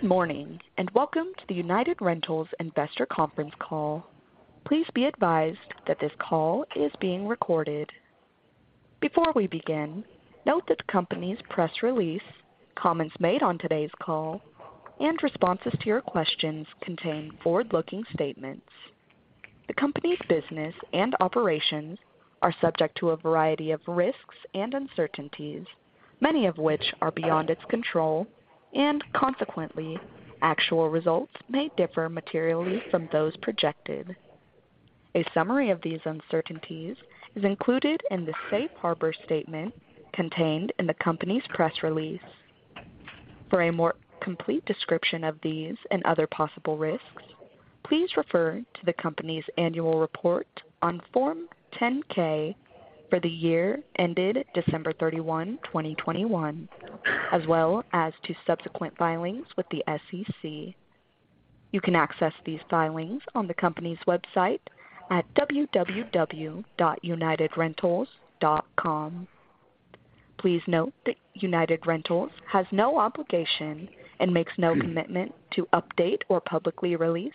Good morning, and welcome to the United Rentals Investor Conference Call. Please be advised that this call is being recorded. Before we begin, note that the company's press release, comments made on today's call and responses to your questions contain forward-looking statements. The company's business and operations are subject to a variety of risks and uncertainties, many of which are beyond its control, and consequently, actual results may differ materially from those projected. A summary of these uncertainties is included in the safe harbor statement contained in the company's press release. For a more complete description of these and other possible risks, please refer to the company's annual report on Form 10-K for the year ended December 31, 2021, as well as to subsequent filings with the SEC. You can access these filings on the company's website at www.unitedrentals.com. Please note that United Rentals has no obligation and makes no commitment to update or publicly release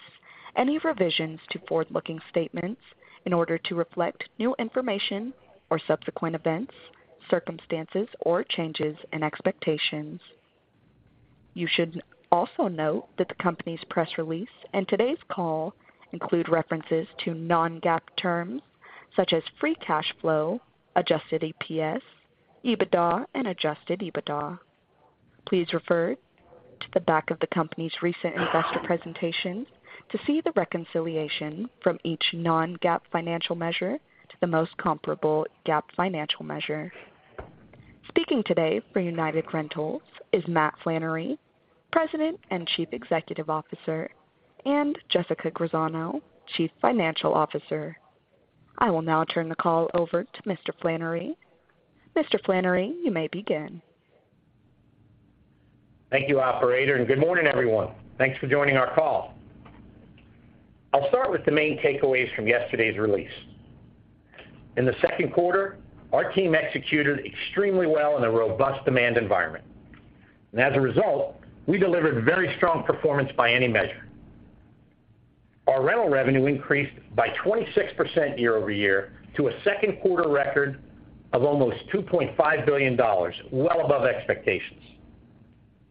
any revisions to forward-looking statements in order to reflect new information or subsequent events, circumstances, or changes in expectations. You should also note that the company's press release and today's call include references to non-GAAP terms such as free cash flow, adjusted EPS, EBITDA and Adjusted EBITDA. Please refer to the back of the company's recent investor presentation to see the reconciliation from each non-GAAP financial measure to the most comparable GAAP financial measure. Speaking today for United Rentals is Matt Flannery, President and Chief Executive Officer, and Jessica Graziano, Chief Financial Officer. I will now turn the call over to Mr. Flannery. Mr. Flannery, you may begin. Thank you, operator, and good morning, everyone. Thanks for joining our call. I'll start with the main takeaways from yesterday's release. In the second quarter, our team executed extremely well in a robust demand environment. As a result, we delivered very strong performance by any measure. Our rental revenue increased by 26% year-over-year to a second quarter record of almost $2.5 billion, well above expectations.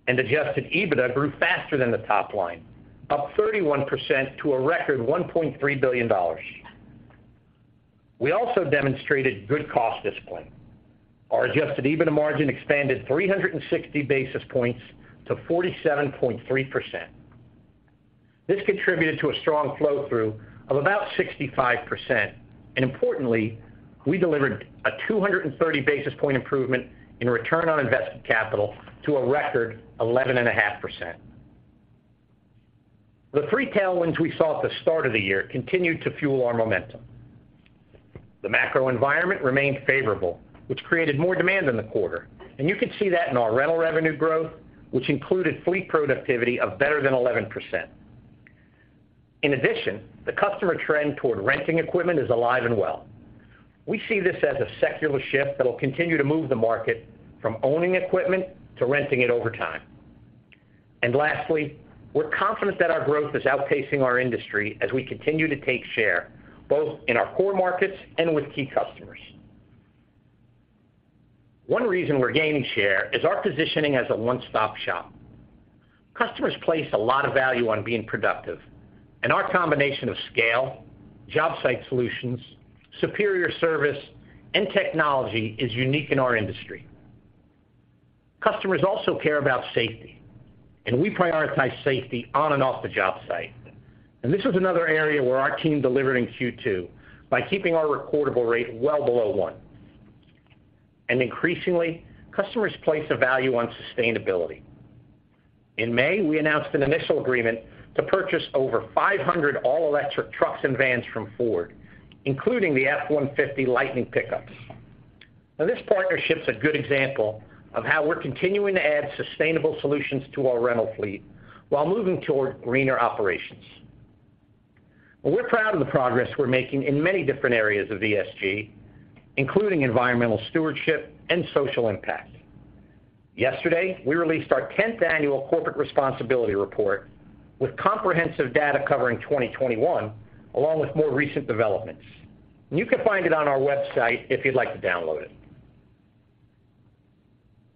Adjusted EBITDA grew faster than the top line, up 31% to a record $1.3 billion. We also demonstrated good cost discipline. Our Adjusted EBITDA margin expanded 360 basis points to 47.3%. This contributed to a strong flow through of about 65%. Importantly, we delivered a 230 basis point improvement in return on invested capital to a record 11.5%. The three tailwinds we saw at the start of the year continued to fuel our momentum. The macro environment remained favorable, which created more demand in the quarter, and you can see that in our rental revenue growth, which included fleet productivity of better than 11%. In addition, the customer trend toward renting equipment is alive and well. We see this as a secular shift that will continue to move the market from owning equipment to renting it over time. Lastly, we're confident that our growth is outpacing our industry as we continue to take share both in our core markets and with key customers. One reason we're gaining share is our positioning as a one-stop shop. Customers place a lot of value on being productive, and our combination of scale, job site solutions, superior service and technology is unique in our industry. Customers also care about safety, and we prioritize safety on and off the job site. This was another area where our team delivered in Q2 by keeping our recordable rate well below one. Increasingly, customers place a value on sustainability. In May, we announced an initial agreement to purchase over 500 all-electric trucks and vans from Ford, including the F-150 Lightning pickups. Now this partnership is a good example of how we're continuing to add sustainable solutions to our rental fleet while moving toward greener operations. We're proud of the progress we're making in many different areas of ESG, including environmental stewardship and social impact. Yesterday, we released our 10th annual corporate responsibility report with comprehensive data covering 2021, along with more recent developments. You can find it on our website if you'd like to download it.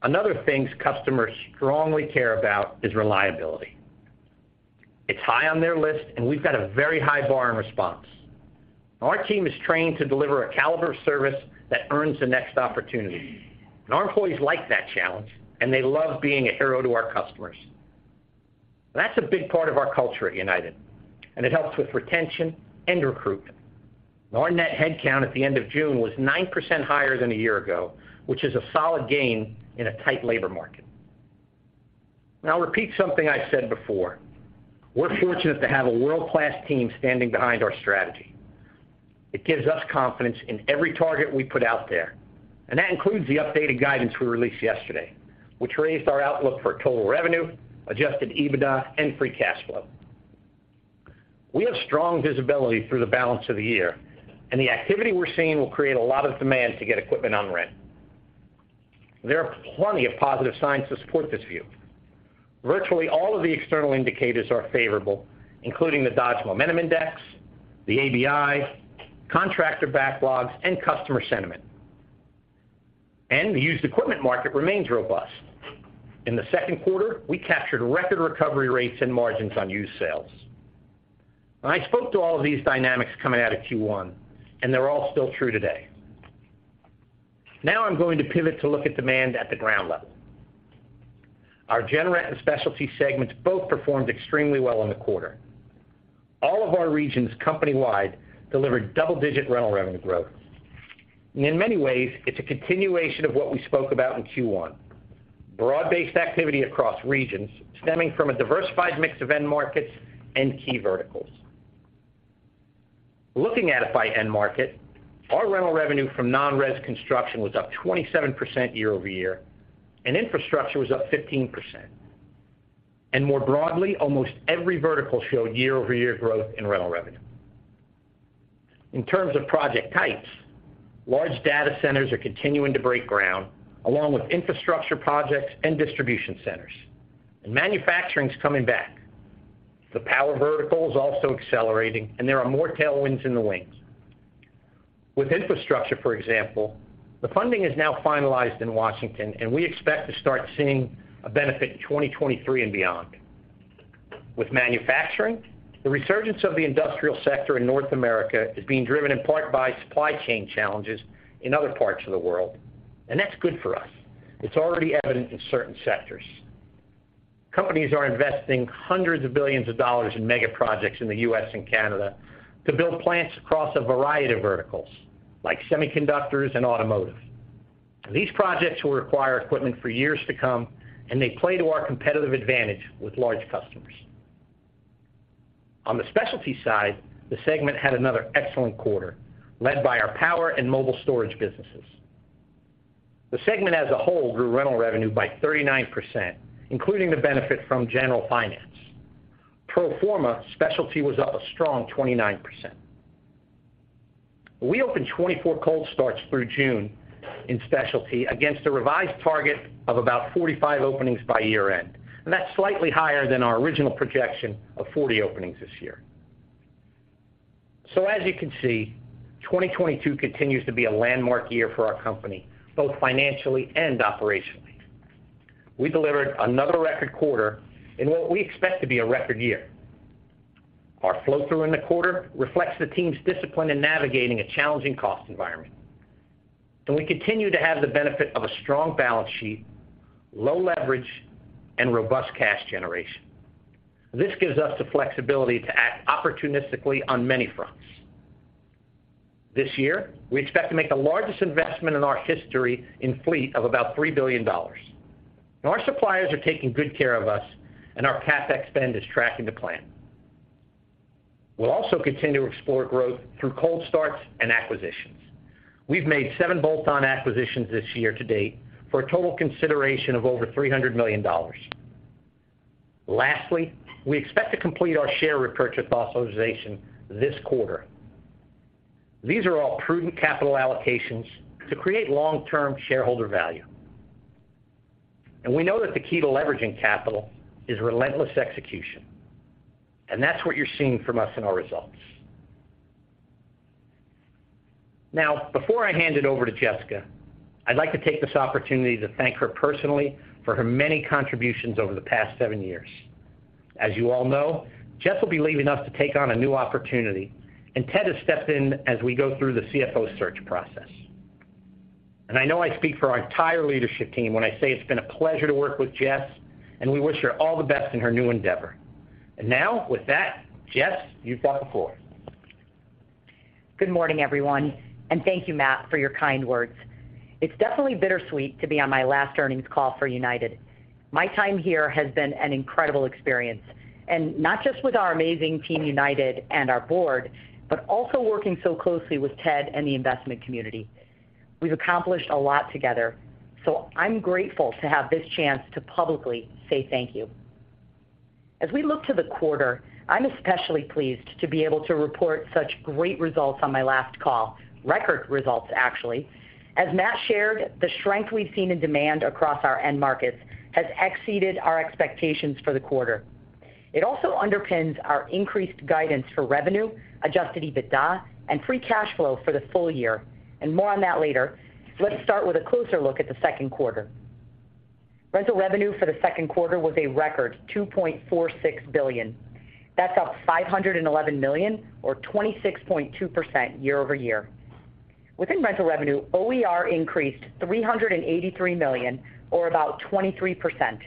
Another thing customers strongly care about is reliability. It's high on their list and we've got a very high bar in response. Our team is trained to deliver a caliber of service that earns the next opportunity, and our employees like that challenge, and they love being a hero to our customers. That's a big part of our culture at United, and it helps with retention and recruitment. Our net headcount at the end of June was 9% higher than a year ago, which is a solid gain in a tight labor market. Now, I'll repeat something I said before. We're fortunate to have a world-class team standing behind our strategy. It gives us confidence in every target we put out there, and that includes the updated guidance we released yesterday, which raised our outlook for total revenue, Adjusted EBITDA and free cash flow. We have strong visibility through the balance of the year, and the activity we're seeing will create a lot of demand to get equipment on rent. There are plenty of positive signs to support this view. Virtually all of the external indicators are favorable, including the Dodge Momentum Index, the ABI, contractor backlogs, and customer sentiment. The used equipment market remains robust. In the second quarter, we captured record recovery rates and margins on used sales. I spoke to all of these dynamics coming out of Q1, and they're all still true today. Now I'm going to pivot to look at demand at the ground level. Our general rent and specialty segments both performed extremely well in the quarter. All of our regions company-wide delivered double-digit rental revenue growth. In many ways, it's a continuation of what we spoke about in Q1. Broad-based activity across regions stemming from a diversified mix of end markets and key verticals. Looking at it by end market, our rental revenue from non-res construction was up 27% year-over-year, and infrastructure was up 15%. More broadly, almost every vertical showed year-over-year growth in rental revenue. In terms of project types, large data centers are continuing to break ground, along with infrastructure projects and distribution centers. Manufacturing is coming back. The power vertical is also accelerating, and there are more tailwinds in the wings. With infrastructure, for example, the funding is now finalized in Washington, and we expect to start seeing a benefit in 2023 and beyond. With manufacturing, the resurgence of the industrial sector in North America is being driven in part by supply chain challenges in other parts of the world, and that's good for us. It's already evident in certain sectors. Companies are investing hundreds of billions of dollars in mega projects in the U.S. and Canada to build plants across a variety of verticals, like semiconductors and automotive. These projects will require equipment for years to come, and they play to our competitive advantage with large customers. On the specialty side, the segment had another excellent quarter, led by our power and mobile storage businesses. The segment as a whole grew rental revenue by 39%, including the benefit from General Finance. Pro forma specialty was up a strong 29%. We opened 24 cold starts through June in specialty against a revised target of about 45 openings by year-end, and that's slightly higher than our original projection of 40 openings this year. As you can see, 2022 continues to be a landmark year for our company, both financially and operationally. We delivered another record quarter in what we expect to be a record year. Our flow-through in the quarter reflects the team's discipline in navigating a challenging cost environment. We continue to have the benefit of a strong balance sheet, low leverage, and robust cash generation. This gives us the flexibility to act opportunistically on many fronts. This year, we expect to make the largest investment in our history in fleet of about $3 billion. Our suppliers are taking good care of us and our CapEx spend is tracking to plan. We'll also continue to explore growth through cold starts and acquisitions. We've made seven bolt-on acquisitions this year to date for a total consideration of over $300 million. Lastly, we expect to complete our share repurchase authorization this quarter. These are all prudent capital allocations to create long-term shareholder value. We know that the key to leveraging capital is relentless execution, and that's what you're seeing from us in our results. Now, before I hand it over to Jessica, I'd like to take this opportunity to thank her personally for her many contributions over the past seven years. As you all know, Jess will be leaving us to take on a new opportunity, and Ted has stepped in as we go through the CFO search process. I know I speak for our entire leadership team when I say it's been a pleasure to work with Jess, and we wish her all the best in her new endeavor. Now with that, Jess, you've got the floor. Good morning, everyone, and thank you, Matt, for your kind words. It's definitely bittersweet to be on my last earnings call for United. My time here has been an incredible experience, and not just with our amazing team, United and our board, but also working so closely with Ted and the investment community. We've accomplished a lot together, so I'm grateful to have this chance to publicly say thank you. As we look to the quarter, I'm especially pleased to be able to report such great results on my last call. Record results, actually. As Matt shared, the strength we've seen in demand across our end markets has exceeded our expectations for the quarter. It also underpins our increased guidance for revenue, Adjusted EBITDA and free cash flow for the full year, and more on that later. Let's start with a closer look at the second quarter. Rental revenue for the second quarter was a record $2.46 billion. That's up $511 million or 26.2% year-over-year. Within rental revenue, OER increased $383 million or about 23%.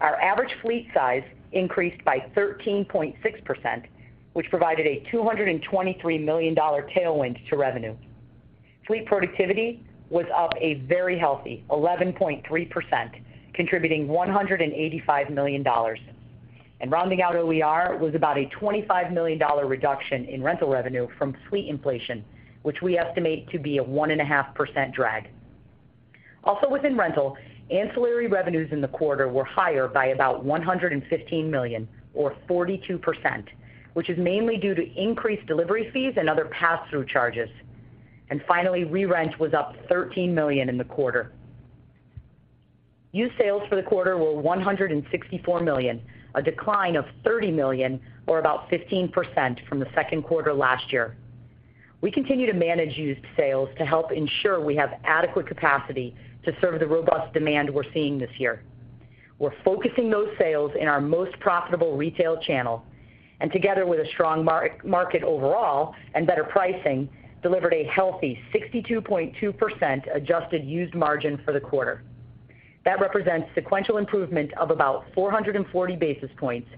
Our average fleet size increased by 13.6%, which provided a $223 million dollar tailwind to revenue. Fleet productivity was up a very healthy 11.3%, contributing $185 million dollars. Rounding out OER was about a $25 million dollar reduction in rental revenue from fleet inflation, which we estimate to be a 1.5% drag. Also within rental, ancillary revenues in the quarter were higher by about $115 million or 42%, which is mainly due to increased delivery fees and other pass-through charges. Finally, re-rent was up $13 million in the quarter. Used sales for the quarter were $164 million, a decline of $30 million or about 15% from the second quarter last year. We continue to manage used sales to help ensure we have adequate capacity to serve the robust demand we're seeing this year. We're focusing those sales in our most profitable retail channel and together with a strong market overall and better pricing, delivered a healthy 62.2% adjusted used margin for the quarter. That represents sequential improvement of about 440 basis points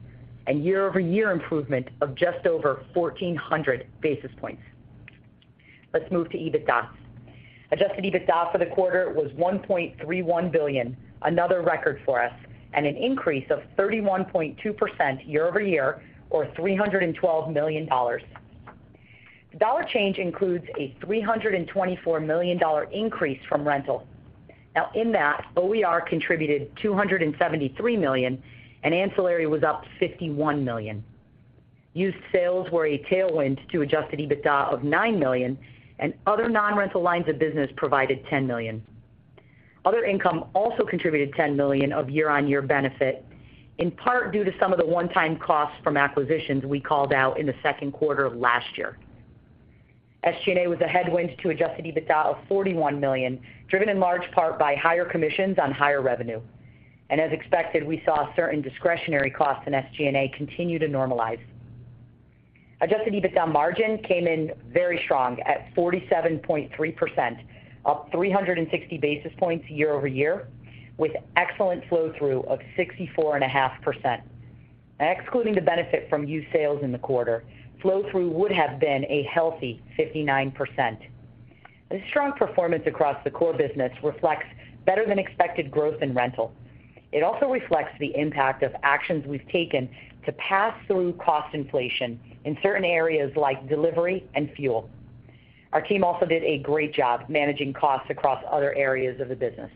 and year-over-year improvement of just over 1,400 basis points. Let's move to EBITDA. Adjusted EBITDA for the quarter was $1.31 billion, another record for us, and an increase of 31.2% year-over-year, or $312 million. The dollar change includes a $324 million increase from rental. Now in that, OER contributed $273 million and ancillary was up $51 million. Used sales were a tailwind to Adjusted EBITDA of $9 million and other non-rental lines of business provided $10 million. Other income also contributed $10 million of year-on-year benefit, in part due to some of the one-time costs from acquisitions we called out in the second quarter of last year. SG&A was a headwind to Adjusted EBITDA of $41 million, driven in large part by higher commissions on higher revenue. As expected, we saw certain discretionary costs in SG&A continue to normalize. Adjusted EBITDA margin came in very strong at 47.3%, up 360 basis points year over year, with excellent flow-through of 64.5%. Excluding the benefit from used sales in the quarter, flow-through would have been a healthy 59%. This strong performance across the core business reflects better than expected growth in rental. It also reflects the impact of actions we've taken to pass through cost inflation in certain areas like delivery and fuel. Our team also did a great job managing costs across other areas of the business.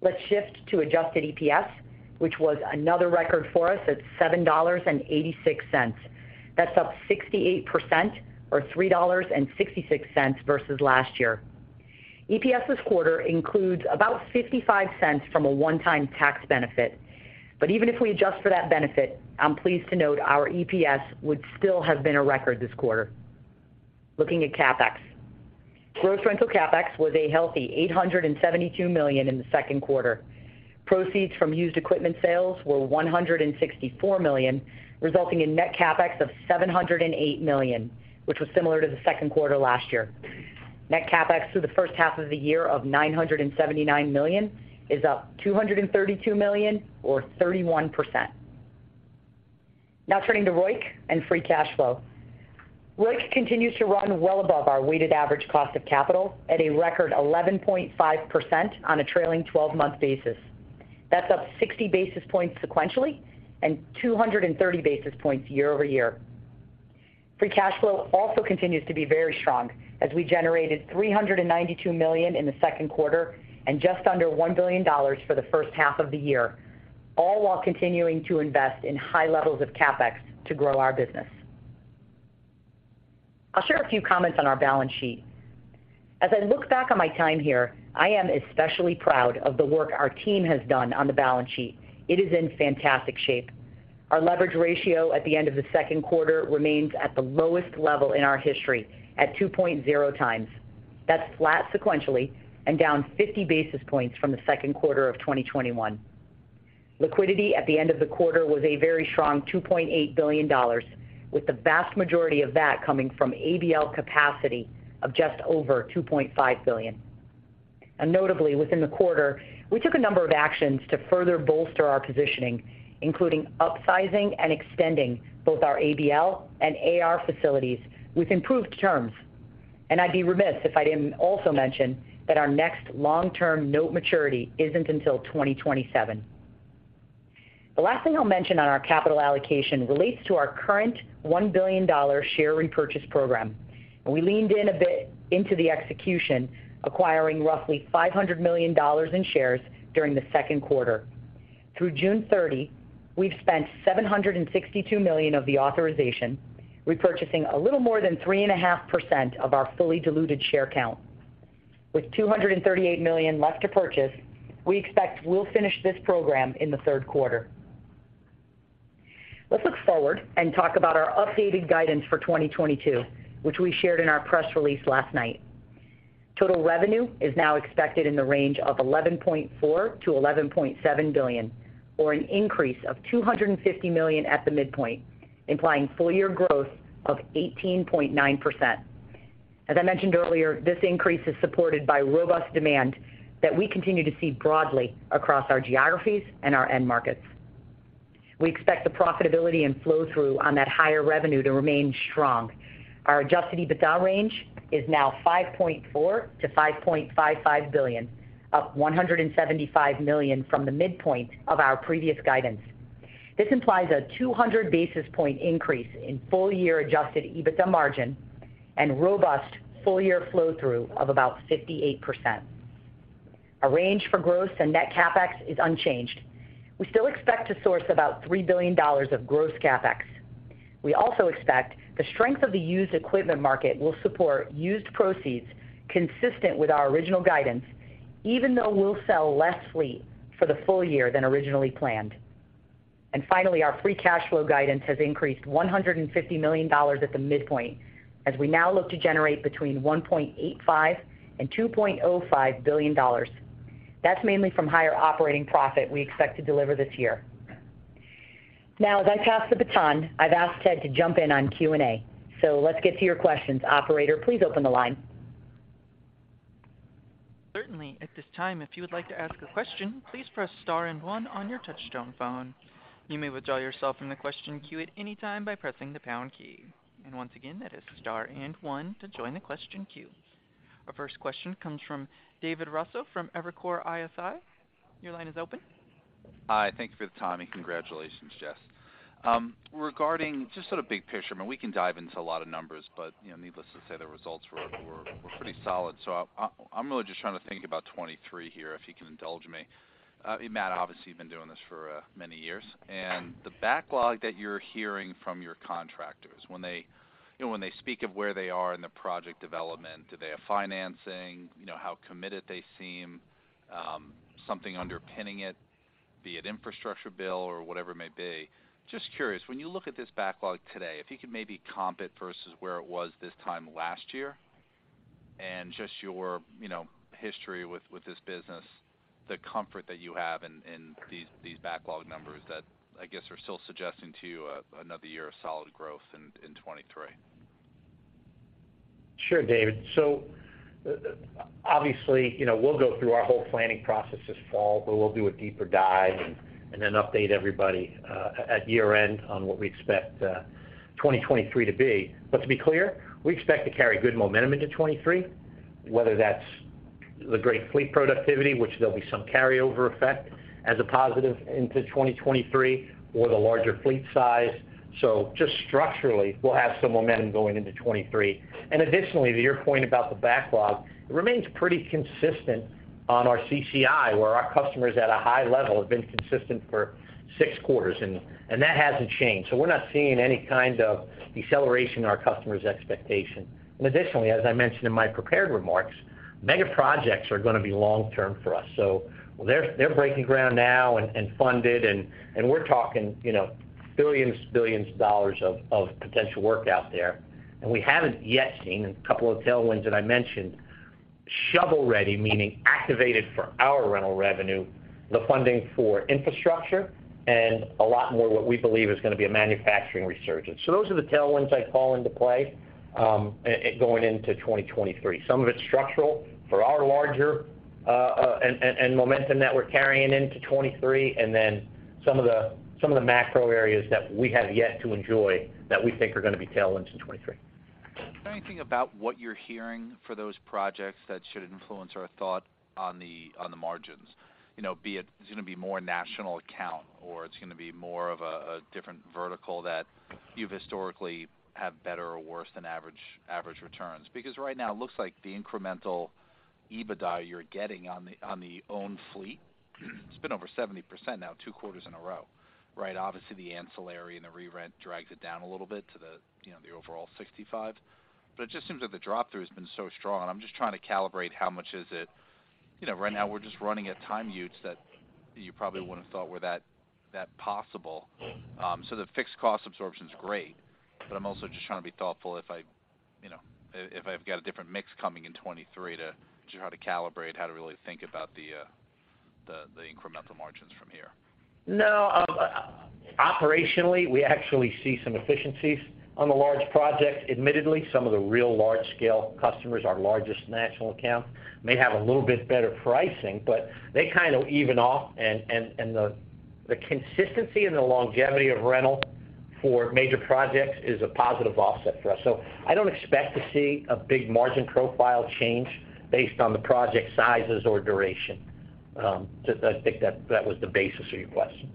Let's shift to adjusted EPS, which was another record for us at $7.86. That's up 68% or $3.66 versus last year. EPS this quarter includes about $0.55 from a one-time tax benefit. Even if we adjust for that benefit, I'm pleased to note our EPS would still have been a record this quarter. Looking at CapEx. Gross rental CapEx was a healthy $872 million in the second quarter. Proceeds from used equipment sales were $164 million, resulting in net CapEx of $708 million, which was similar to the second quarter last year. Net CapEx through the first half of the year of $979 million is up $232 million or 31%. Now turning to ROIC and free cash flow. ROIC continues to run well above our weighted average cost of capital at a record 11.5% on a trailing twelve-month basis. That's up 60 basis points sequentially and 230 basis points year-over-year. Free cash flow also continues to be very strong as we generated $392 million in the second quarter and just under $1 billion for the first half of the year, all while continuing to invest in high levels of CapEx to grow our business. I'll share a few comments on our balance sheet. As I look back on my time here, I am especially proud of the work our team has done on the balance sheet. It is in fantastic shape. Our leverage ratio at the end of the second quarter remains at the lowest level in our history at 2.0x. That's flat sequentially and down 50 basis points from the second quarter of 2021. Liquidity at the end of the quarter was a very strong $2.8 billion, with the vast majority of that coming from ABL capacity of just over $2.5 billion. Notably, within the quarter, we took a number of actions to further bolster our positioning, including upsizing and extending both our ABL and AR facilities with improved terms. I'd be remiss if I didn't also mention that our next long-term note maturity isn't until 2027. The last thing I'll mention on our capital allocation relates to our current $1 billion share repurchase program. We leaned in a bit into the execution, acquiring roughly $500 million in shares during the second quarter. Through June 30, we've spent $762 million of the authorization, repurchasing a little more than 3.5% of our fully diluted share count. With $238 million left to purchase, we expect we'll finish this program in the third quarter. Let's look forward and talk about our updated guidance for 2022, which we shared in our press release last night. Total revenue is now expected in the range of $11.4 billion-$11.7 billion or an increase of $250 million at the midpoint, implying full year growth of 18.9%. As I mentioned earlier, this increase is supported by robust demand that we continue to see broadly across our geographies and our end markets. We expect the profitability and flow-through on that higher revenue to remain strong. Our Adjusted EBITDA range is now $5.4-$5.55 billion, up $175 million from the midpoint of our previous guidance. This implies a 200 basis points increase in full-year Adjusted EBITDA margin and robust full-year flow through of about 58%. Our range for growth and net CapEx is unchanged. We still expect to source about $3 billion of gross CapEx. We also expect the strength of the used equipment market will support used proceeds consistent with our original guidance, even though we'll sell less fleet for the full year than originally planned. Finally, our free cash flow guidance has increased $150 million at the midpoint as we now look to generate between $1.85 billion and $2.05 billion. That's mainly from higher operating profit we expect to deliver this year. Now as I pass the baton, I've asked Ted to jump in on Q&A. Let's get to your questions. Operator, please open the line. Certainly. At this time, if you would like to ask a question, please press star and one on your touchtone phone. You may withdraw yourself from the question queue at any time by pressing the pound key. Once again, that is star and one to join the question queue. Our first question comes from David Raso from Evercore ISI. Your line is open. Hi, thank you for the time, and congratulations, Jess. Regarding just sort of big picture, I mean, we can dive into a lot of numbers, but, you know, needless to say, the results were pretty solid. I'm really just trying to think about 2023 here, if you can indulge me. Matt, obviously, you've been doing this for many years. The backlog that you're hearing from your contractors when they, you know, when they speak of where they are in the project development, do they have financing, you know, how committed they seem, something underpinning it, be it infrastructure bill or whatever it may be. Just curious, when you look at this backlog today, if you could maybe comp it versus where it was this time last year and just your, you know, history with this business, the comfort that you have in these backlog numbers that I guess are still suggesting to you another year of solid growth in 2023? Sure, David. Obviously, you know, we'll go through our whole planning process this fall, but we'll do a deeper dive and then update everybody at year-end on what we expect 2023 to be. To be clear, we expect to carry good momentum into 2023, whether that's the great fleet productivity, which there'll be some carryover effect as a positive into 2023 or the larger fleet size. Just structurally, we'll have some momentum going into 2023. Additionally, to your point about the backlog, it remains pretty consistent on our CCI, where our customers at a high level have been consistent for six quarters, and that hasn't changed. We're not seeing any kind of deceleration in our customers' expectation. Additionally, as I mentioned in my prepared remarks, mega projects are going to be long term for us. They're breaking ground now and funded, and we're talking, you know, billions of dollars of potential work out there. We haven't yet seen a couple of tailwinds that I mentioned, shovel-ready, meaning activated for our rental revenue, the funding for infrastructure, and a lot more what we believe is going to be a manufacturing resurgence. Those are the tailwinds I call into play going into 2023. Some of it's structural for our larger and momentum that we're carrying into 2023, and then some of the macro areas that we have yet to enjoy that we think are going to be tailwinds in 2023. Is there anything about what you're hearing for those projects that should influence our thought on the margins? You know, be it it's going to be more national account or it's going to be more of a different vertical that you've historically have better or worse than average returns. Because right now it looks like the incremental EBITDA you're getting on the owned fleet, it's been over 70% now two quarters in a row, right? Obviously, the ancillary and the re-rent drags it down a little bit to the, you know, the overall 65%. But it just seems that the drop through has been so strong. I'm just trying to calibrate how much is it. You know, right now we're just running at utilization rates that you probably wouldn't have thought were that possible. The fixed cost absorption is great, but I'm also just trying to be thoughtful, you know, if I've got a different mix coming in 2023 to try to calibrate how to really think about the incremental margins from here. No. Operationally, we actually see some efficiencies on the large project. Admittedly, some of the real large scale customers, our largest national account, may have a little bit better pricing, but they kind of even out. The consistency and the longevity of rental for major projects is a positive offset for us. I don't expect to see a big margin profile change based on the project sizes or duration. I think that was the basis of your question.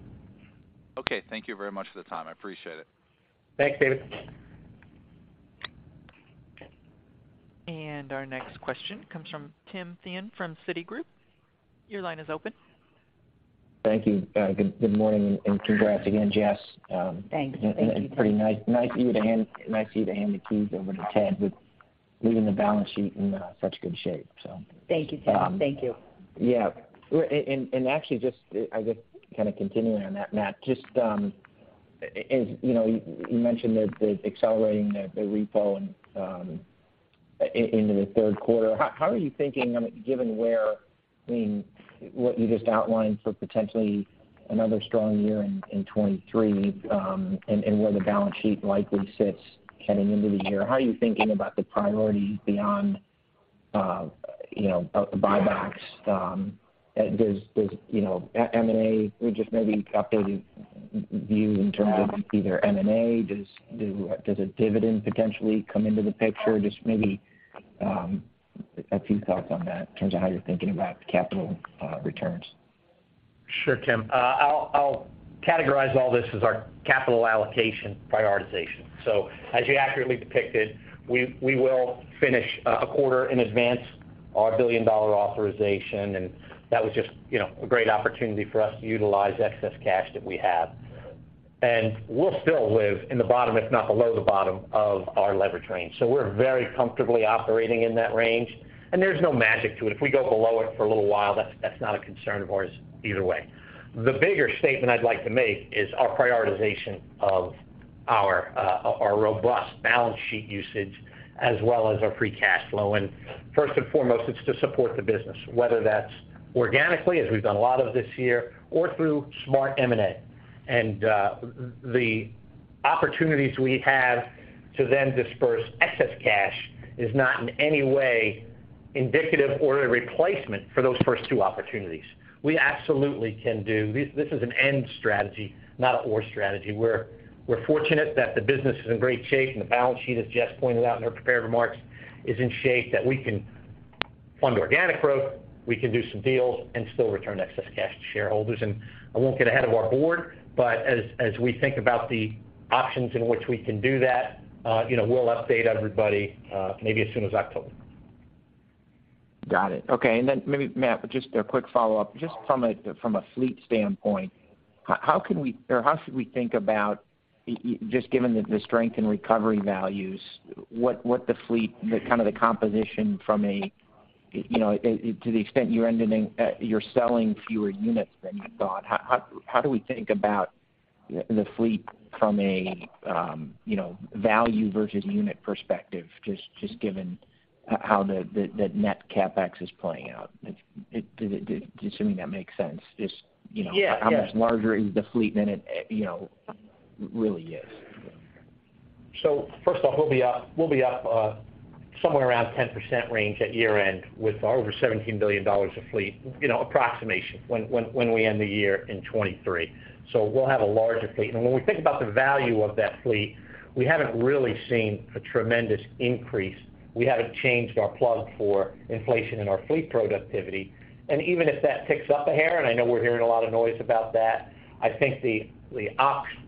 Okay. Thank you very much for the time. I appreciate it. Thanks, David. Our next question comes from Timothy Thein from Citigroup. Your line is open. Thank you. Good morning and congrats again, Jess. Thanks. Thank you, Tim. Pretty nice of you to hand the keys over to Ted with leaving the balance sheet in such good shape. Thank you, Tim. Thank you. Yeah. Actually just, I guess, kind of continuing on that, Matt, just, as you know, you mentioned accelerating the repurchases into the third quarter. How are you thinking, I mean, given where, I mean, what you just outlined for potentially another strong year in 2023, and where the balance sheet likely sits heading into the year. How are you thinking about the priorities beyond, you know, buybacks? Does, you know, M&A or just maybe updated view in terms of either M&A? Does a dividend potentially come into the picture? Just maybe, a few thoughts on that in terms of how you're thinking about capital returns. Sure, Tim. I'll categorize all this as our capital allocation prioritization. As you accurately depicted, we will finish a quarter in advance our billion-dollar authorization, and that was just, you know, a great opportunity for us to utilize excess cash that we have. We'll still live in the bottom, if not below the bottom of our leverage range. We're very comfortably operating in that range, and there's no magic to it. If we go below it for a little while, that's not a concern of ours either way. The bigger statement I'd like to make is our prioritization of our robust balance sheet usage as well as our free cash flow. First and foremost, it's to support the business, whether that's organically, as we've done a lot of this year, or through smart M&A. The opportunities we have to then disperse excess cash is not in any way indicative or a replacement for those first two opportunities. This is an and strategy, not an or strategy. We're fortunate that the business is in great shape, and the balance sheet, as Jess pointed out in her prepared remarks, is in shape that we can fund organic growth, we can do some deals and still return excess cash to shareholders. I won't get ahead of our board, but as we think about the options in which we can do that, you know, we'll update everybody, maybe as soon as October. Got it. Okay. Maybe, Matt, just a quick follow-up. Just from a fleet standpoint, how can we or how should we think about you just given the strength and recovery values, what the fleet, the kind of the composition from a you know to the extent you're selling fewer units than you thought, how do we think about the fleet from a you know value versus unit perspective, just given how the net CapEx is playing out? Assuming that makes sense. Just, you know- Yeah. Yeah. How much larger is the fleet than it, you know, really is? First of all, we'll be up somewhere around 10% range at year-end with over $17 billion of fleet approximation when we end the year in 2023. We'll have a larger fleet. When we think about the value of that fleet, we haven't really seen a tremendous increase. We haven't changed our plug for inflation in our fleet productivity. Even if that ticks up a hair, and I know we're hearing a lot of noise about that, I think the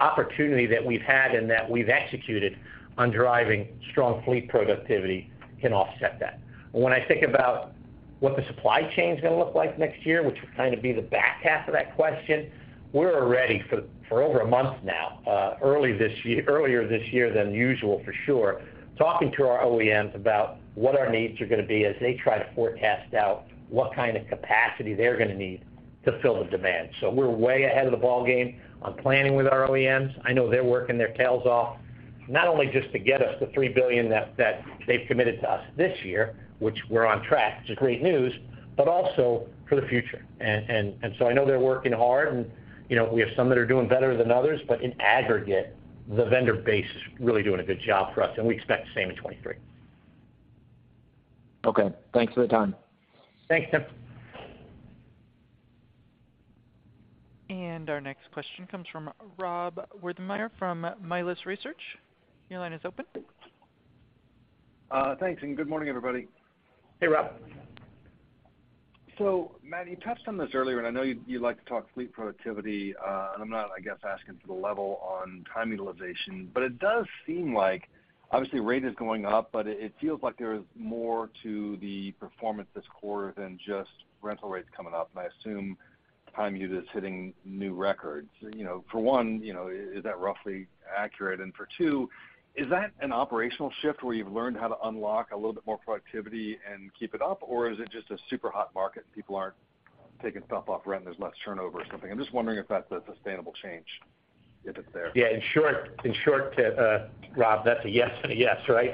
opportunity that we've had and that we've executed on driving strong fleet productivity can offset that. When I think about what the supply chain is gonna look like next year, which would kind of be the back half of that question, we're ready for over a month now, earlier this year than usual for sure, talking to our OEMs about what our needs are gonna be as they try to forecast out what kind of capacity they're gonna need to fill the demand. We're way ahead of the ballgame on planning with our OEMs. I know they're working their tails off, not only just to get us the $3 billion that they've committed to us this year, which we're on track, which is great news, but also for the future. I know they're working hard and, you know, we have some that are doing better than others, but in aggregate, the vendor base is really doing a good job for us, and we expect the same in 2023. Okay. Thanks for the time. Thanks, Tim. Our next question comes from Rob Wertheimer from Melius Research. Your line is open. Thanks, and good morning, everybody. Hey, Rob. Matt, you touched on this earlier, and I know you like to talk fleet productivity, and I'm not, I guess, asking for the level on time utilization, but it does seem like obviously rate is going up, but it feels like there's more to the performance this quarter than just rental rates coming up. I assume time unit is hitting new records. You know, for one, you know, is that roughly accurate? And for two, is that an operational shift where you've learned how to unlock a little bit more productivity and keep it up, or is it just a super hot market and people aren't taking stuff off rent, there's less turnover or something? I'm just wondering if that's a sustainable change, if it's there. Yeah. In short, Rob, that's a yes and a yes, right?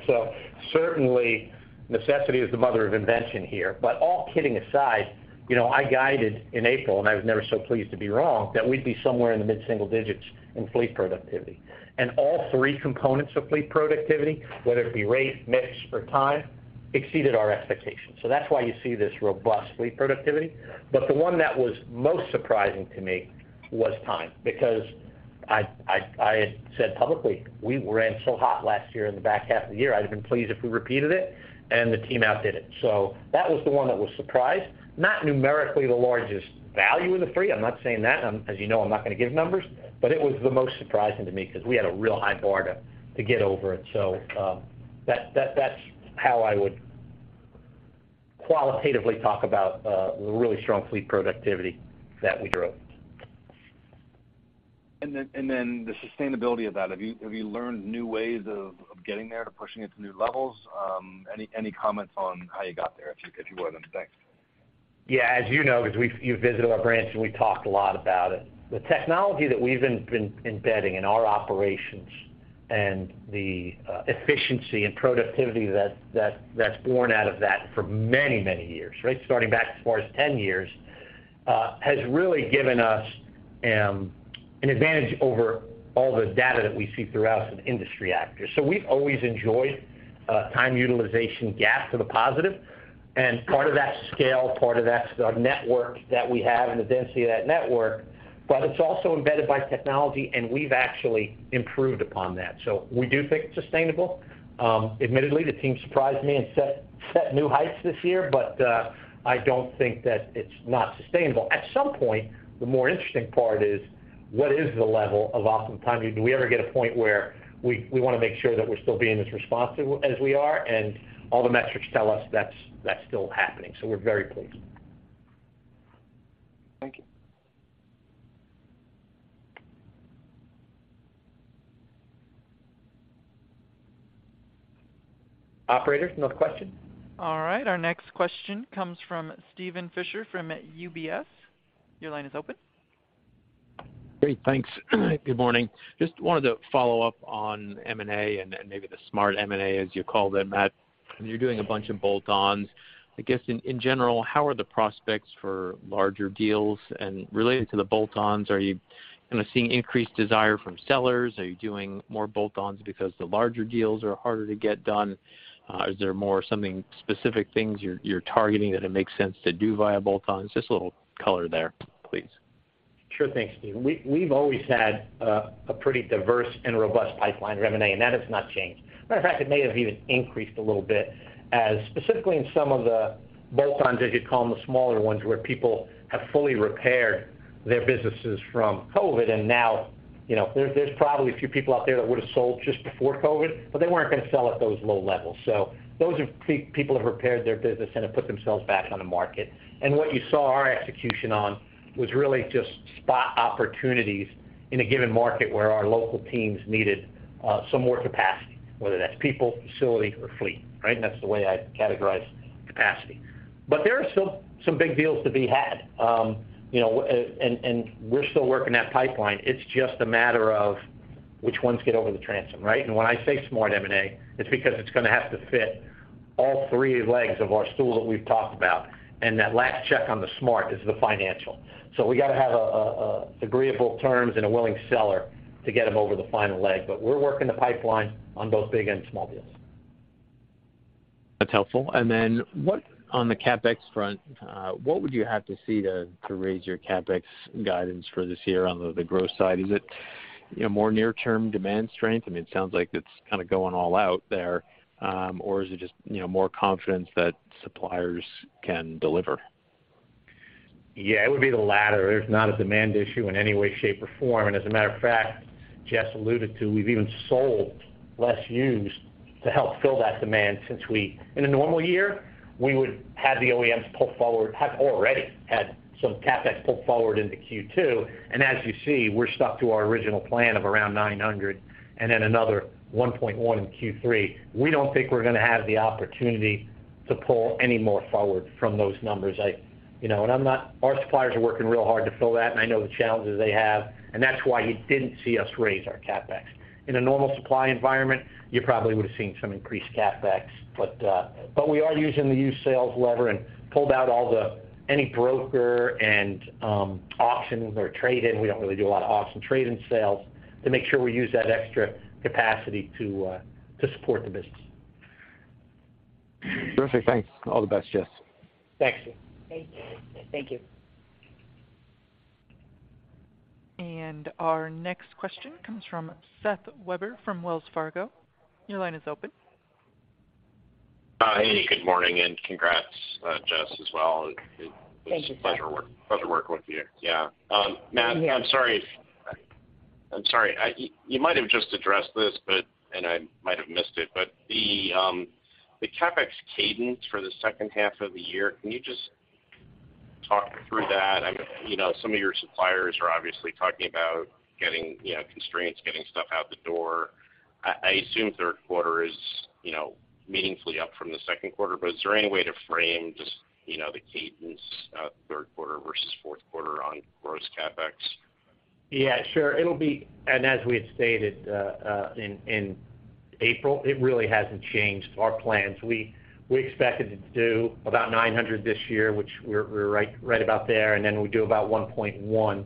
Certainly necessity is the mother of invention here. All kidding aside, you know, I guided in April, and I was never so pleased to be wrong that we'd be somewhere in the mid-single digits in fleet productivity. All three components of fleet productivity, whether it be rate, mix or time, exceeded our expectations. That's why you see this robust fleet productivity. The one that was most surprising to me was time, because I said publicly we ran so hot last year in the back half of the year. I'd have been pleased if we repeated it, and the team outdid it. That was the one that was the surprise. Not numerically the largest value of the three. I'm not saying that. As you know, I'm not gonna give numbers. It was the most surprising to me because we had a real high bar to get over it. That's how I would qualitatively talk about the really strong fleet productivity that we drove. The sustainability of that. Have you learned new ways of getting there, to pushing it to new levels? Any comments on how you got there, if you would? Thanks. Yeah. As you know, 'cause we've, you've visited our branch and we've talked a lot about it. The technology that we've been embedding in our operations and the efficiency and productivity that's born out of that for many, many years, right? Starting back as far as 10 years has really given us an advantage over all the data that we see throughout some industry actors. We've always enjoyed a time utilization gap to the positive, and part of that's scale, part of that's our network that we have and the density of that network, but it's also embedded by technology, and we've actually improved upon that. We do think it's sustainable. Admittedly, the team surprised me and set new heights this year, but I don't think that it's not sustainable. At some point, the more interesting part is what is the level of uptime? Do we ever get a point where we wanna make sure that we're still being as responsive as we are, and all the metrics tell us that's still happening. We're very pleased. Thank you. Operator, no question? All right, our next question comes from Steven Fisher from UBS. Your line is open. Great. Thanks. Good morning. Just wanted to follow up on M&A and then maybe the smart M&A, as you call them, Matt. You're doing a bunch of bolt-on. I guess in general, how are the prospects for larger deals? Related to the bolt-on, are you kinda seeing increased desire from sellers? Are you doing more bolt-on because the larger deals are harder to get done? Is there more something specific things you're targeting that it makes sense to do via bolt-on? Just a little color there, please. Sure thing, Steven. We've always had a pretty diverse and robust pipeline of M&A, and that has not changed. Matter of fact, it may have even increased a little bit, as specifically in some of the bolt-on, as you call them, the smaller ones where people have fully repaired their businesses from COVID, and now, you know, there's probably a few people out there that would have sold just before COVID, but they weren't gonna sell at those low levels. Those are people have repaired their business and have put themselves back on the market. What you saw our execution on was really just spot opportunities in a given market where our local teams needed some more capacity, whether that's people, facility or fleet, right? That's the way I categorize capacity. There are still some big deals to be had, you know, and we're still working that pipeline. It's just a matter of which ones get over the transom, right? When I say smart M&A, it's because it's gonna have to fit all three legs of our stool that we've talked about. That last check on the smart is the financial. We got to have agreeable terms and a willing seller to get them over the final leg. We're working the pipeline on both big and small deals. That's helpful. Then what on the CapEx front, what would you have to see to raise your CapEx guidance for this year on the growth side? Is it, you know, more near term demand strength? I mean, it sounds like it's kind of going all out there, or is it just, you know, more confidence that suppliers can deliver? Yeah, it would be the latter. There's not a demand issue in any way, shape, or form. As a matter of fact, Jess alluded to, we've even sold less used to help fill that demand since we in a normal year, we would have the OEMs pull forward, have already had some CapEx pulled forward into Q2. As you see, we're stuck to our original plan of around $900 and then another $1.1 in Q3. We don't think we're gonna have the opportunity to pull any more forward from those numbers. You know, our suppliers are working real hard to fill that, and I know the challenges they have, and that's why you didn't see us raise our CapEx. In a normal supply environment, you probably would have seen some increased CapEx, but we are using the used sales lever and pulled out all the any broker and auctions or trade-in. We don't really do a lot of auction trade-in sales to make sure we use that extra capacity to support the business. Perfect. Thanks. All the best, Jess. Thanks. Thank you. Our next question comes from Seth Weber from Wells Fargo. Your line is open. Hi. Good morning, and congrats, Jess, as well. Thank you. It's a pleasure working with you. Yeah. Matt, I'm sorry. You might have just addressed this, but I might have missed it, but the CapEx cadence for the second half of the year, can you just talk through that? You know, some of your suppliers are obviously talking about getting constraints, getting stuff out the door. I assume third quarter is you know, meaningfully up from the second quarter, but is there any way to frame just the cadence of third quarter versus fourth quarter on gross CapEx? Yeah, sure. It'll be, and as we had stated in April, it really hasn't changed our plans. We expected it to do about $900 this year, which we're right about there. Then we do about $1.1.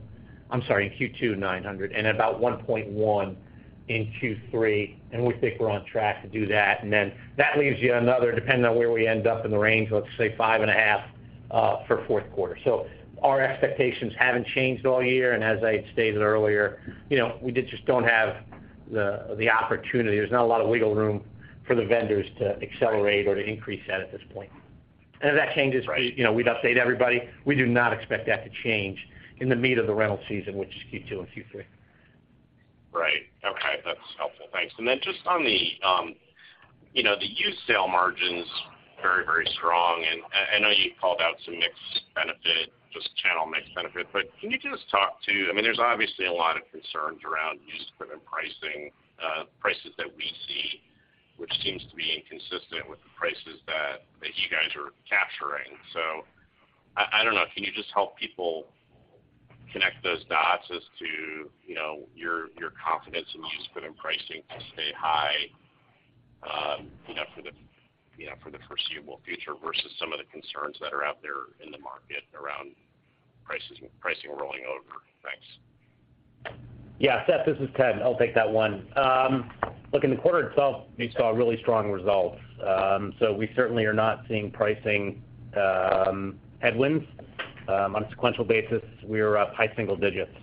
I'm sorry, in Q2, $900, and about $1.1 in Q3, and we think we're on track to do that. Then that leaves you another, depending on where we end up in the range, let's say $5.5 for fourth quarter. Our expectations haven't changed all year, and as I stated earlier, you know, we just don't have the opportunity. There's not a lot of wiggle room for the vendors to accelerate or to increase that at this point. If that changes, you know, we'd update everybody. We do not expect that to change in the meat of the rental season, which is Q2 and Q3. Right. Okay. That's helpful. Thanks. Just on the, you know, the used sale margins, very, very strong, and I know you called out some mixed benefit, just channel mixed benefit, but can you just talk to. I mean, there's obviously a lot of concerns around used equipment pricing, prices that we see, which seems to be inconsistent with the prices that you guys are capturing. So I don't know, can you just help people connect those dots as to, you know, your confidence in used equipment pricing to stay high? You know, for the, you know, for the foreseeable future versus some of the concerns that are out there in the market around pricing rolling over. Thanks. Yeah. Seth, this is Ted. I'll take that one. Look, in the quarter itself, we saw really strong results. We certainly are not seeing pricing headwinds. On a sequential basis, we were up high single digits.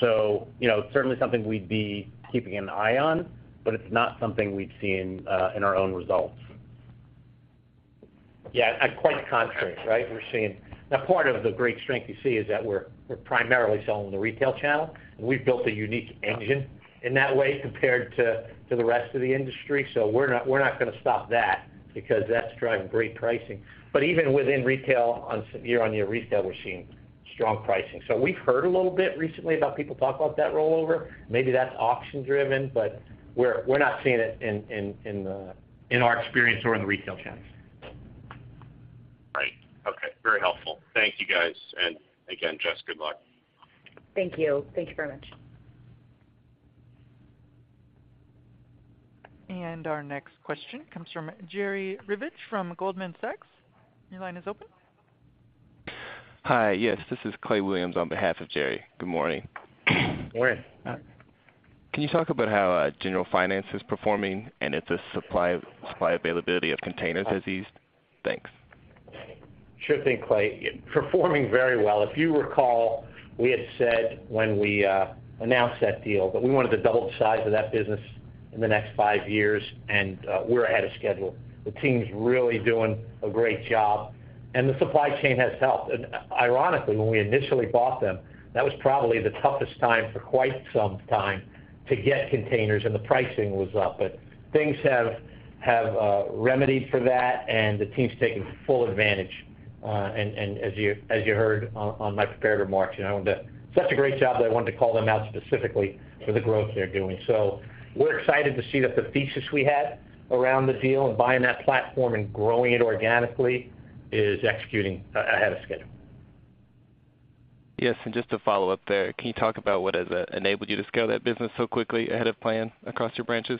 You know, certainly something we'd be keeping an eye on, but it's not something we've seen in our own results. Yeah. Quite the contrary, right? We're seeing. Now, part of the great strength you see is that we're primarily selling the retail channel, and we've built a unique engine in that way compared to the rest of the industry. We're not gonna stop that because that's driving great pricing. Even within retail, on year-on-year retail, we're seeing strong pricing. We've heard a little bit recently about people talking about that rollover. Maybe that's auction driven, but we're not seeing it in our experience or in the retail channels. Right. Okay. Very helpful. Thank you, guys. Again, Jess, good luck. Thank you. Thank you very much. Our next question comes from Jerry Revich from Goldman Sachs. Your line is open. Hi. Yes, this is Clay Williams on behalf of Jerry. Good morning. Morning. Can you talk about how General Finance is performing and if the supply availability of containers has eased? Thanks. Sure thing, Clay. Performing very well. If you recall, we had said when we announced that deal that we wanted to double the size of that business in the next five years, and we're ahead of schedule. The team's really doing a great job, and the supply chain has helped. Ironically, when we initially bought them, that was probably the toughest time for quite some time to get containers, and the pricing was up. But things have remedied for that, and the team's taking full advantage. And as you heard on my prepared remarks, you know, they're doing such a great job that I wanted to call them out specifically for the growth they're doing. We're excited to see that the thesis we had around the deal and buying that platform and growing it organically is executing ahead of schedule. Yes. Just to follow up there, can you talk about what has enabled you to scale that business so quickly ahead of plan across your branches?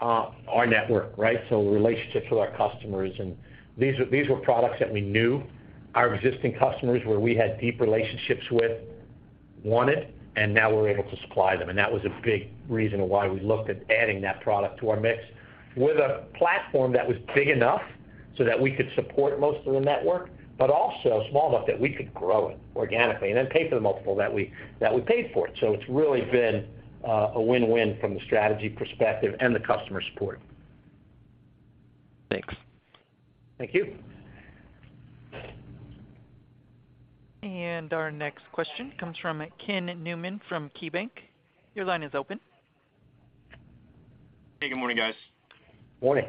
Our network, right? Relationships with our customers. These were products that we knew our existing customers, where we had deep relationships with, wanted, and now we're able to supply them. That was a big reason why we looked at adding that product to our mix with a platform that was big enough so that we could support most of the network, but also small enough that we could grow it organically and then pay for the multiple that we paid for it. It's really been a win-win from the strategy perspective and the customer support. Thanks. Thank you. Our next question comes from Ken Newman from KeyBanc. Your line is open. Hey, good morning, guys. Morning.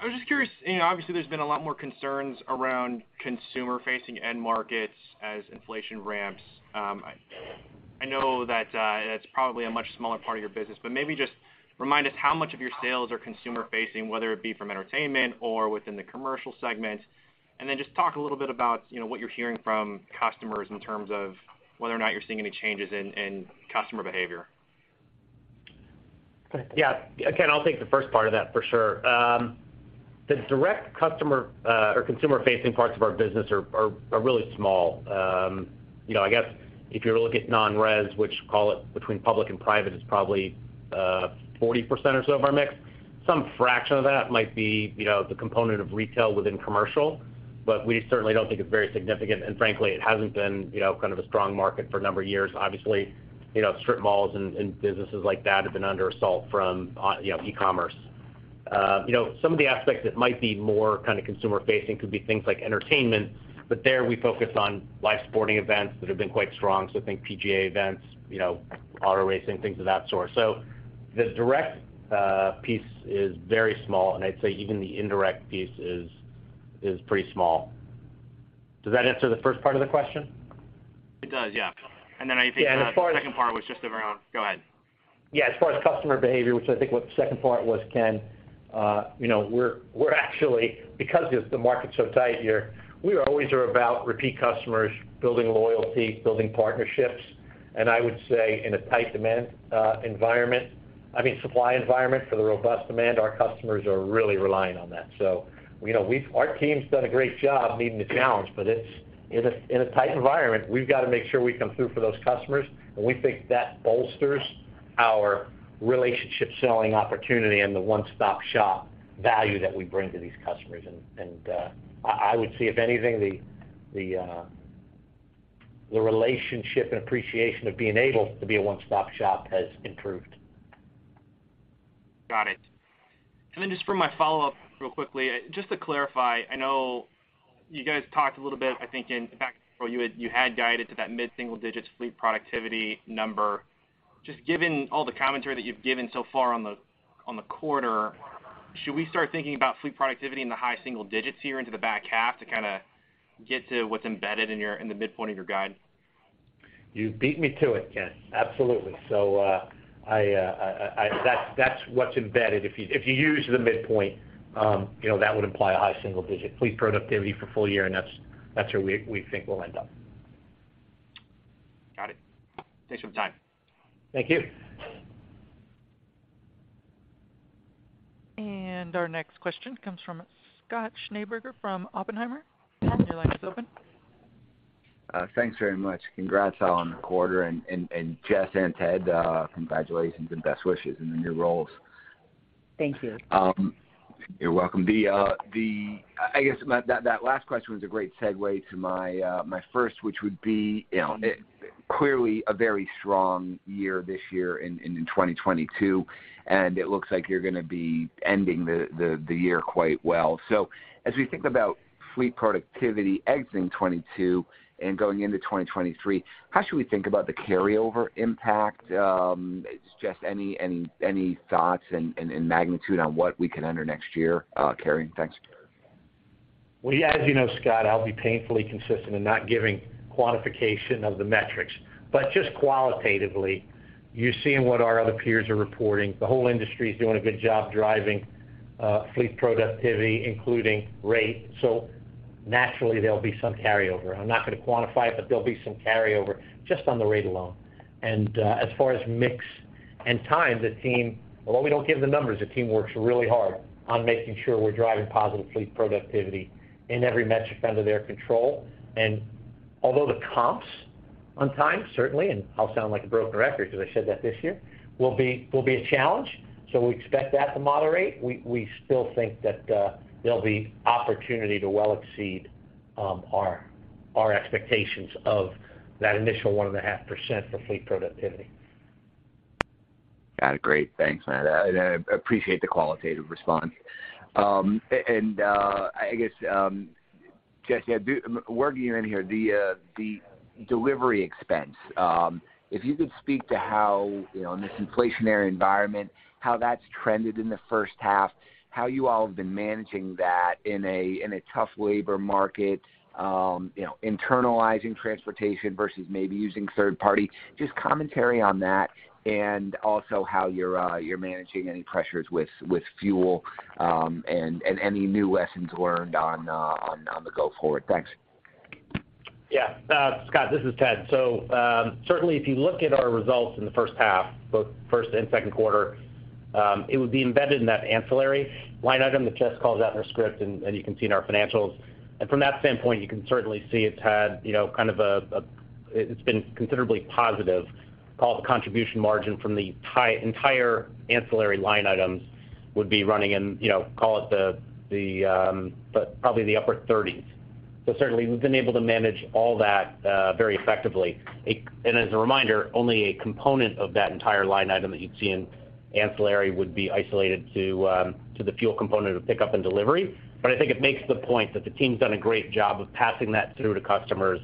I was just curious, you know, obviously, there's been a lot more concerns around consumer-facing end markets as inflation ramps. I know that, it's probably a much smaller part of your business, but maybe just remind us how much of your sales are consumer-facing, whether it be from entertainment or within the commercial segment. Then just talk a little bit about, you know, what you're hearing from customers in terms of whether or not you're seeing any changes in customer behavior. Yeah. Again, I'll take the first part of that for sure. The direct customer or consumer-facing parts of our business are really small. You know, I guess if you were to look at non-res, which call it between public and private, is probably 40% or so of our mix. Some fraction of that might be, you know, the component of retail within commercial, but we certainly don't think it's very significant, and frankly, it hasn't been, you know, kind of a strong market for a number of years. Obviously, you know, strip malls and businesses like that have been under assault from, you know, e-commerce. You know, some of the aspects that might be more kind of consumer-facing could be things like entertainment, but there we focus on live sporting events that have been quite strong, so think PGA Events, you know, auto racing, things of that sort. So the direct piece is very small, and I'd say even the indirect piece is pretty small. Does that answer the first part of the question? It does, yeah. Yeah, as far as. The second part was just around. Go ahead. Yeah, as far as customer behavior, which I think what the second part was, Ken, you know, we're actually, because the market's so tight here, we always are about repeat customers, building loyalty, building partnerships. I would say in a tight demand environment, I mean supply environment for the robust demand, our customers are really relying on that. You know, our team's done a great job meeting the challenge, but it's in a tight environment, we've got to make sure we come through for those customers, and we think that bolsters our relationship selling opportunity and the one-stop-shop value that we bring to these customers. I would say, if anything, the relationship and appreciation of being able to be a one-stop-shop has improved. Got it. Then just for my follow-up real quickly, just to clarify, I know you guys talked a little bit, I think in the back or you had guided to that mid-single digit fleet productivity number. Just given all the commentary that you've given so far on the quarter, should we start thinking about fleet productivity in the high single digits here into the back half to kinda get to what's embedded in your in the midpoint of your guide? You beat me to it, Ken. Absolutely. That's what's embedded. If you use the midpoint, you know, that would imply a high single digit fleet productivity for full year, and that's where we think we'll end up. Got it. Takes some time. Thank you. Our next question comes from Scott Schneeberger from Oppenheimer. Your line is open. Thanks very much. Congrats on the quarter, and Jess and Ted, congratulations and best wishes in the new roles. Thank you. You're welcome. I guess that last question was a great segue to my first, which would be, you know, clearly a very strong year this year in 2022, and it looks like you're gonna be ending the year quite well. As we think about fleet productivity exiting 2022 and going into 2023, how should we think about the carryover impact? Jess, any thoughts and magnitude on what we can enter next year carrying? Thanks. Well, as you know, Scott, I'll be painfully consistent in not giving quantification of the metrics. Just qualitatively, you're seeing what our other peers are reporting. The whole industry is doing a good job driving fleet productivity, including rate. Naturally, there'll be some carryover. I'm not gonna quantify it, but there'll be some carryover just on the rate alone. As far as mix and time, the team, although we don't give the numbers, the team works really hard on making sure we're driving positive fleet productivity in every metric under their control. Although the comps on time, certainly, and I'll sound like a broken record because I said that this year, will be a challenge, we expect that to moderate. We still think that there'll be opportunity to well exceed our expectations of that initial 1.5% for fleet productivity. Got it. Great. Thanks, Matt. I appreciate the qualitative response. I guess, Jess, yeah, working you in here, the delivery expense, if you could speak to how, you know, in this inflationary environment, how that's trended in the first half, how you all have been managing that in a tough labor market, you know, internalizing transportation versus maybe using third party, just commentary on that, and also how you're managing any pressures with fuel, and any new lessons learned on the go forward. Thanks. Yeah. Scott, this is Ted. Certainly, if you look at our results in the first half, both first and second quarter, it would be embedded in that ancillary line item that Jess called out in her script and you can see in our financials. From that standpoint, you can certainly see it's had, you know, it's been considerably positive. Call it the contribution margin from the entire ancillary line items would be running in, you know, call it the probably the upper thirties. Certainly, we've been able to manage all that very effectively. As a reminder, only a component of that entire line item that you'd see in ancillary would be isolated to the fuel component of pickup and delivery. I think it makes the point that the team's done a great job of passing that through to customers,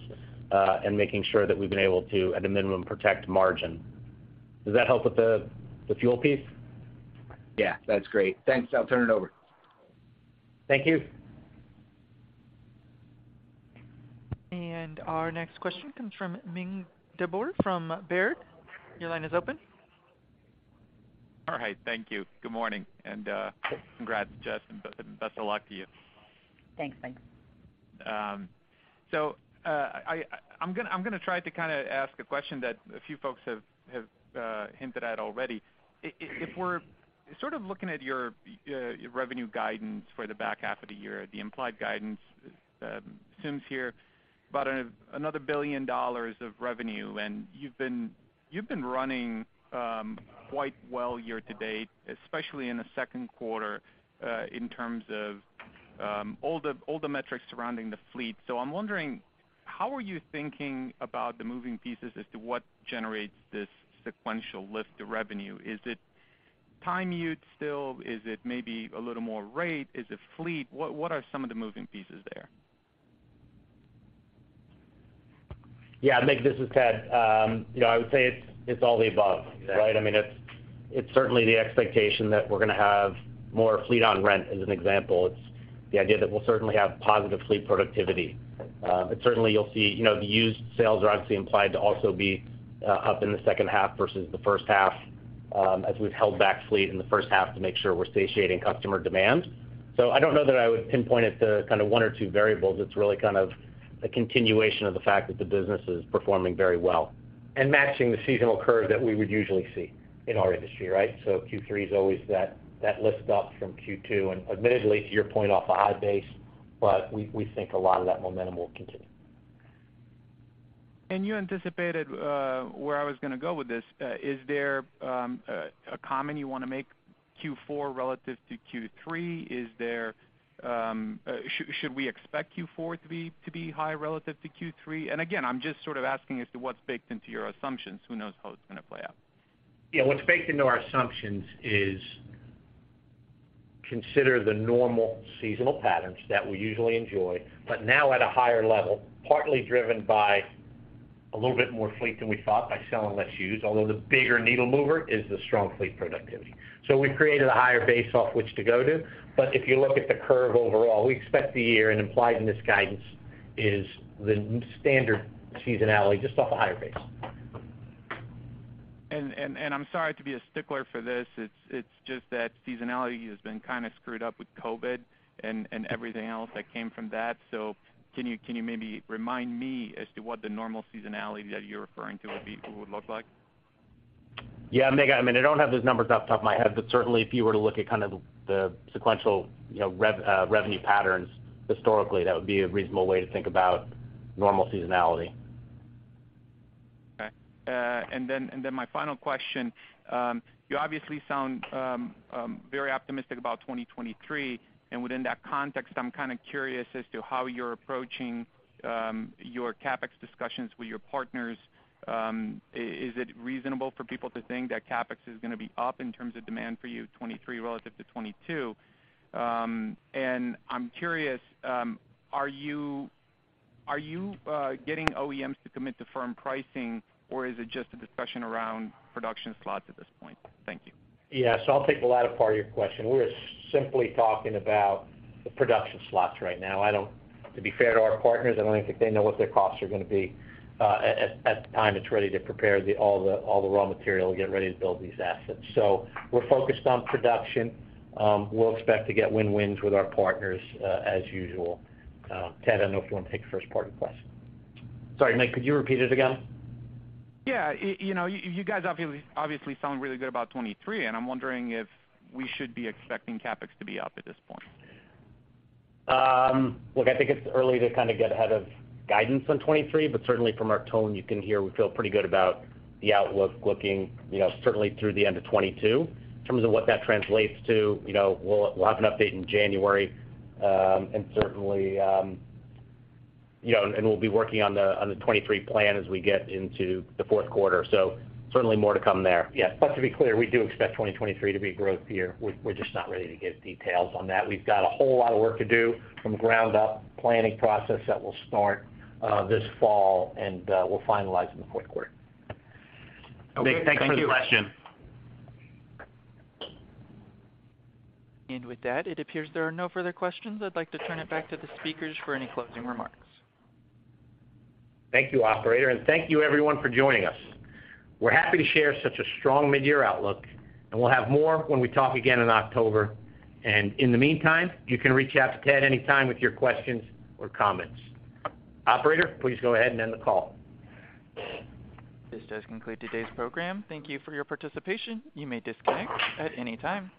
and making sure that we've been able to, at a minimum, protect margin. Does that help with the fuel piece? Yeah. That's great. Thanks. I'll turn it over. Thank you. Our next question comes from Mircea Dobre from Baird. Your line is open. All right. Thank you. Good morning, and congrats, Jess, and best of luck to you. Thanks, Mircea. I'm gonna try to kinda ask a question that a few folks have hinted at already. If we're sort of looking at your revenue guidance for the back half of the year, the implied guidance assumes here about $1 billion of revenue, and you've been running quite well year to date, especially in the second quarter, in terms of all the metrics surrounding the fleet. I'm wondering, how are you thinking about the moving pieces as to what generates this sequential lift to revenue? Is it time yield still? Is it maybe a little more rate? Is it fleet? What are some of the moving pieces there? Yeah, Mircea, this is Ted. You know, I would say it's all the above, right? I mean, it's certainly the expectation that we're gonna have more fleet on rent, as an example. It's the idea that we'll certainly have positive fleet productivity. Certainly you'll see, you know, the used sales are obviously implied to also be up in the second half versus the first half, as we've held back fleet in the first half to make sure we're satiating customer demand. I don't know that I would pinpoint it to kind of one or two variables. It's really kind of a continuation of the fact that the business is performing very well. Matching the seasonal curve that we would usually see in our industry, right? Q3 is always that lift up from Q2, and admittedly, to your point, off a high base, but we think a lot of that momentum will continue. You anticipated where I was gonna go with this. Is there a comment you wanna make, Q4 relative to Q3? Should we expect Q4 to be high relative to Q3? Again, I'm just sort of asking as to what's baked into your assumptions. Who knows how it's gonna play out. Yeah. What's baked into our assumptions is considering the normal seasonal patterns that we usually enjoy, but now at a higher level, partly driven by a little bit more fleet than we thought by selling less used, although the bigger needle mover is the strong fleet productivity. We've created a higher base off which to go to, but if you look at the curve overall, we expect the year, and implied in this guidance, is the standard seasonality just off a higher base. I'm sorry to be a stickler for this. It's just that seasonality has been kind a screwed up with COVID and everything else that came from that. Can you maybe remind me as to what the normal seasonality that you're referring to would look like? Yeah, Mircea, I mean, I don't have those numbers off the top of my head, but certainly if you were to look at kind of the sequential, you know, rev, revenue patterns historically, that would be a reasonable way to think about normal seasonality. Okay. My final question. You obviously sound very optimistic about 2023, and within that context, I'm kinda curious as to how you're approaching your CapEx discussions with your partners. Is it reasonable for people to think that CapEx is gonna be up in terms of demand for you 2023 relative to 2022? I'm curious, are you getting OEMs to commit to firm pricing, or is it just a discussion around production slots at this point? Thank you. I'll take the latter part of your question. We're simply talking about the production slots right now. To be fair to our partners, I don't even think they know what their costs are gonna be at the time it's ready to prepare all the raw material to get ready to build these assets. We're focused on production. We'll expect to get win-wins with our partners as usual. Ted, I don't know if you wanna take the first part of the question. Sorry, Mig, could you repeat it again? You know, you guys obviously sound really good about 2023, and I'm wondering if we should be expecting CapEx to be up at this point. Look, I think it's early to kinda get ahead of guidance on 2023, but certainly from our tone, you can hear we feel pretty good about the outlook looking, you know, certainly through the end of 2022. In terms of what that translates to, you know, we'll have an update in January. Certainly, you know, we'll be working on the 2023 plan as we get into the fourth quarter, so certainly more to come there. Yeah. To be clear, we do expect 2023 to be a growth year. We're just not ready to give details on that. We've got a whole lot of work to do from the ground up planning process that will start this fall, and we'll finalize in the fourth quarter. Mircea, thanks for the question. Okay. Thank you. With that, it appears there are no further questions. I'd like to turn it back to the speakers for any closing remarks. Thank you, operator, and thank you everyone for joining us. We're happy to share such a strong midyear outlook, and we'll have more when we talk again in October. In the meantime, you can reach out to Ted anytime with your questions or comments. Operator, please go ahead and end the call. This does conclude today's program. Thank you for your participation. You may disconnect at any time.